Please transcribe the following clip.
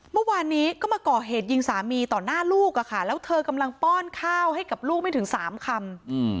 เมื่อวานนี้ก็มาก่อเหตุยิงสามีต่อหน้าลูกอะค่ะแล้วเธอกำลังป้อนข้าวให้กับลูกไม่ถึง๓คำ